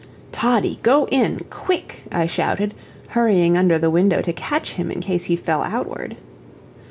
"Toddie, go in quick!" I shouted, hurrying under the window to catch him in case he fell outward.